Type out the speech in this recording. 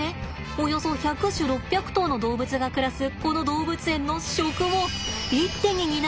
およそ１００種６００頭の動物が暮らすこの動物園の食を一手に担う台所があるんだって！